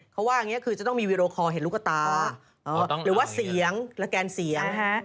เขาว่าอย่างนี้คือจะต้องมีวีดีโอคอลเห็นลูกตาหรือว่าเสียงสแกนเสียง